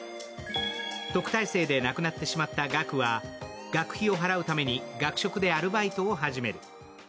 特待生でなくなってしまった岳は学費を払うために学食でアルバイトを始める。